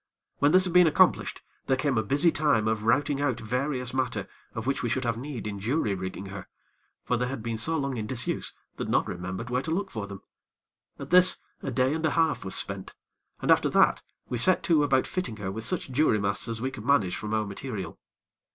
When this had been accomplished, there came a busy time of routing out various matter of which we should have need in jury rigging her; for they had been so long in disuse, that none remembered where to look for them. At this a day and a half was spent, and after that we set to about fitting her with such jury masts as we could manage from our material.